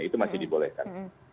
itu masih dibolehkan